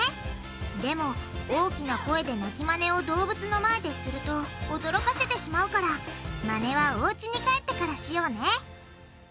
でも大きな声で鳴きマネを動物の前ですると驚かせてしまうからマネはおうちに帰ってからしようね。